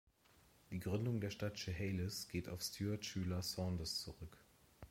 Die Gründung der Stadt Chehalis geht auf Stuart Schuyler Saunders zurück.